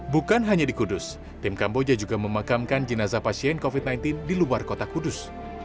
bukan hanya di kudus tim kamboja juga memakamkan jenazah pasien covid sembilan belas di luar kota kudus